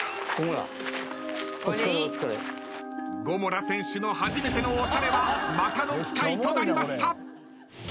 ゴモラ選手の初めてのおしゃれはまたの機会となりました。